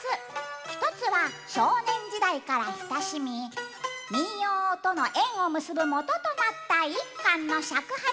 一つは少年時代から親しみ民謡との縁を結ぶもととなった一管の尺八。